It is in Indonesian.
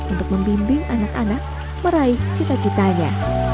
untuk membimbing anak anak meraih cita citanya